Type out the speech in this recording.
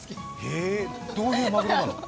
へえ、どういうマグロなの？